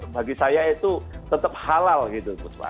bagi saya itu tetap halal gitu bu swa